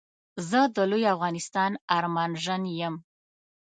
زه د لوي افغانستان ارمانژن يم